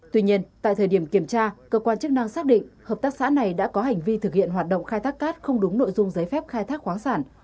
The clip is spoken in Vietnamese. tuy nhiên tại thời điểm kiểm tra cơ quan chức năng xác định hợp tác xã này đã có hành vi thực hiện hoạt động khai thác cát không đúng nội dung giấy phép khai thác khoáng sản